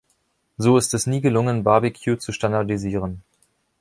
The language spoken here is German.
So ist es nie gelungen, Barbecue zu standardisieren.